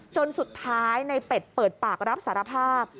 จนสุดท้ายในเป็ดเปิดปากรับสารภาพ